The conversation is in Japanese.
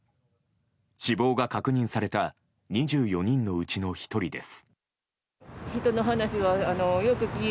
死亡が確認された２４人のうちの１人です。